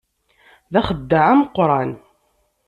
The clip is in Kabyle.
D axeddaɛ ameqqran.